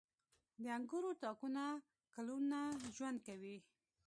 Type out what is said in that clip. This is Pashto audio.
• د انګورو تاکونه کلونه ژوند کوي.